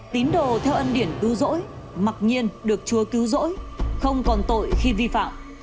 tín đồ theo ân điển cứu rỗi mặc nhiên được chúa cứu rỗi không còn tội khi vi phạm